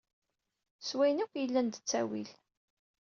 S wayen akk yellan d ttawil..